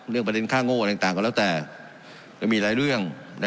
ประเด็นค่าโง่อะไรต่างก็แล้วแต่มีหลายเรื่อง